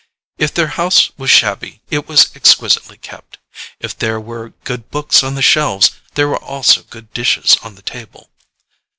If their house was shabby, it was exquisitely kept; if there were good books on the shelves there were also good dishes on the table.